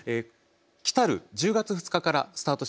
来る１０月２日からスタートします